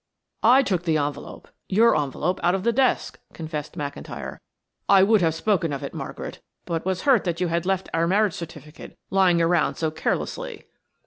"I took the envelope your envelope out of the desk," confessed McIntyre. "I would have spoken of it, Margaret, but was hurt that you had left our marriage certificate lying around so carelessly."